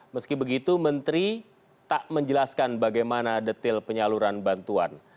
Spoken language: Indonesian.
meski begitu menteri tak menjelaskan bagaimana detail penyaluran bantuan